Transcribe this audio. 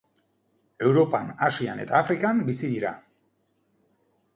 Europan, Asian eta Afrikan bizi dira.